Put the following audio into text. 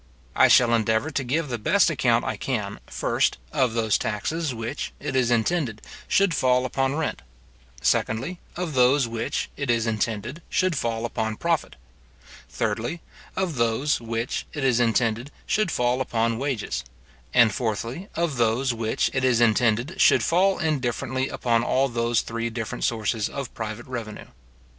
I shall endeavour to give the best account I can, first, of those taxes which, it is intended should fall upon rent; secondly, of those which, it is intended should fall upon profit; thirdly, of those which, it is intended should fall upon wages; and fourthly, of those which, it is intended should fall indifferently upon all those three different sources of private revenue.